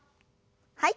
はい。